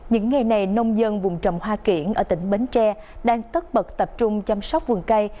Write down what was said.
những ngày này nông dân vùng trồng hoa kiển ở tỉnh bến tre đang tất bật tập trung chăm sóc vườn cây